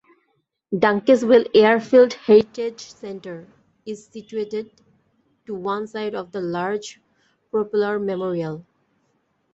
Dunkeswell Airfield Heritage Centre, is situated to one side of the large propellor memorial.